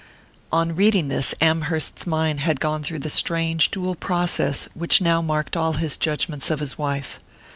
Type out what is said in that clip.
On reading this, Amherst's mind had gone through the strange dual process which now marked all his judgments of his wife.